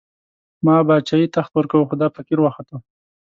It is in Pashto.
ما باچايي، تخت ورکوو، خو دا فقير وختو